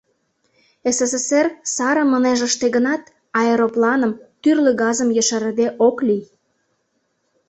СССР сарым ынеж ыште гынат, аэропланым, тӱрлӧ газым ешарыде ок лий.